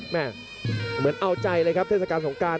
เหมือนเอาใจเลยครับเทศกาลสงการ